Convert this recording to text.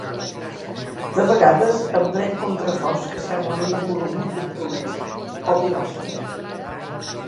De vegades empren contraforts que semblen una columna compromesa o pilastra.